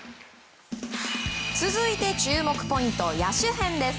続いて注目ポイント野手編です。